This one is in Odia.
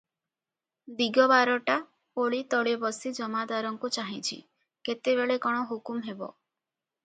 ଦିଗବାରଟା ଓଳିତଳେ ବସି ଜମାଦାରଙ୍କୁ ଚାହିଁଛି, କେତେବେଳେ କଣ ହୁକୁମ ହେବ ।